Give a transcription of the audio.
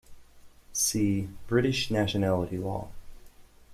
See "British nationality law".